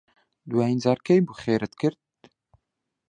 دوایین جار کەی بوو خێرت کرد؟